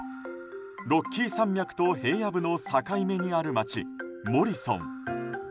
ロッキー山脈と平野部の境目にある町、モリソン。